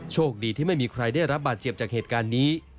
โชคดีที่ไม่มีใครได้รับบาดเจ็บจากเหตุการณ์นี้